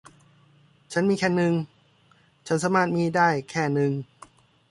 ฉันมีแค่หนึ่ง ฉันสามารถมีได้แค่หนึ่ง